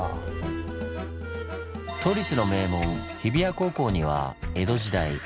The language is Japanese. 都立の名門日比谷高校には江戸時代